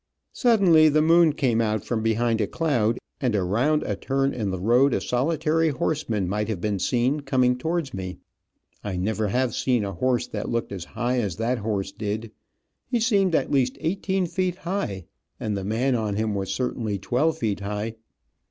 Suddenly the moon came out from behind a cloud and around a turn in the road a solitary horseman might have been seen coming towards me. I never have seen a horse that looked as high as that horse did. He seemed at least eighteen feet high, and the man on him was certainly twelve feet high.